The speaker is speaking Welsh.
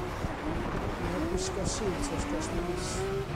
Dw i heb wisgo siwt ers dros mis.